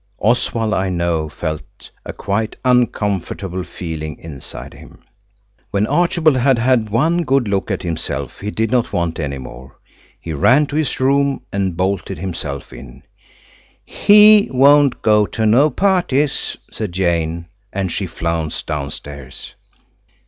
Oswald, I know, felt a quite uncomfortable feeling inside him. When Archibald had had one good look at himself he did not want any more. He ran to his room and bolted himself in. "He won't go to no parties," said Jane, and she flounced downstairs.